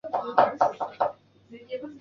圣阿尔邦人口变化图示